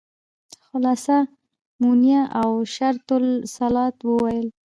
خلاصه مونيه او شروط الصلاة وويل.